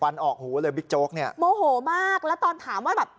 วันออกหูเลยบิ๊กโจ๊กเนี่ยโมโหมากแล้วตอนถามว่าแบบ